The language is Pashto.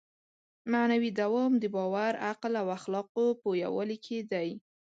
معنوي دوام د باور، عقل او اخلاقو په یووالي کې دی.